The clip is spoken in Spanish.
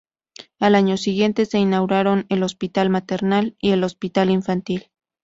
Al año siguiente se inauguran el Hospital Maternal y el Hospital Infantil.